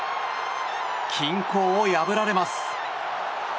均衡を破られます。